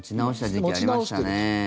持ち直した時期ありましたね。